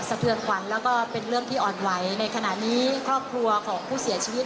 สะเทือนขวัญแล้วก็เป็นเรื่องที่อ่อนไหวในขณะนี้ครอบครัวของผู้เสียชีวิต